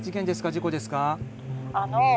事故ですか？